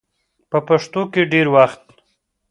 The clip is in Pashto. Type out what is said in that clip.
په پښتو کې ډېر وخت